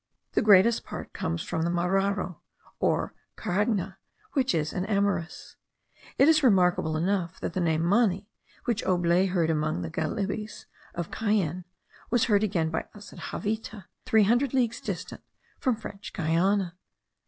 The greatest part comes from the mararo or caragna, which is an amyris. It is remarkable enough, that the name mani, which Aublet heard among the Galibis* of Cayenne, was again heard by us at Javita, three hundred leagues distant from French Guiana.